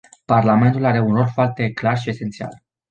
Parlamentul are un rol foarte clar și esențial.